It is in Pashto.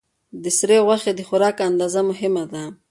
د سرې غوښې د خوراک اندازه مهمه ده.